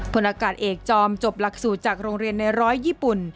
ผลอากาศเอกจอมจบหลักสูตรจากโรงเรียนในร้อยญี่ปุ่น